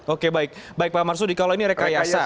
oke baik baik pak marsudi kalau ini rekayasa